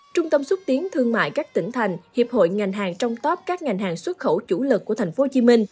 trung tâm xuất tiến thương mại các tỉnh thành hiệp hội ngành hàng trong top các ngành hàng xuất khẩu chủ lực của tp hcm